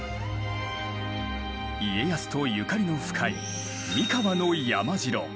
家康とゆかりの深い三河の山城。